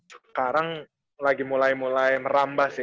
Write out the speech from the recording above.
sekarang lagi mulai mulai merambah sih